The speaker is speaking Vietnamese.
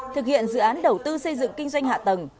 thực hiện dự án đầu tư xây dựng kinh doanh hạ tầng